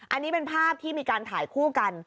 อันนี้เป็นภาพที่มีการถ่ายคู่กัน